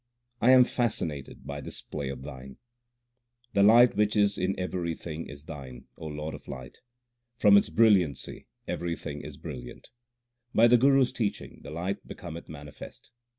I am fascinated by this play of Thine. The light which is in everything is Thine, O Lord of light. From its brilliancy everything is brilliant ; By the Guru s teaching the light becometh manifest.